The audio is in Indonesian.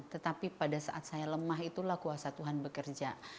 tetapi pada saat saya lemah itulah kuasa tuhan bekerja